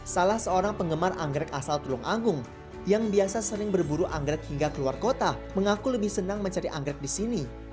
salah seorang penggemar anggrek asal tulung agung yang biasa sering berburu anggrek hingga keluar kota mengaku lebih senang mencari anggrek di sini